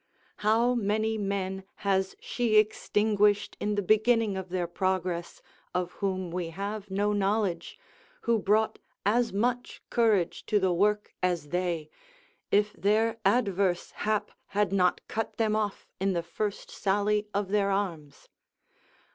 How many men has she extinguished in the beginning of their progress, of whom we have no knowledge, who brought as much courage to the work as they, if their adverse hap had not cut them off in the first sally of their arms?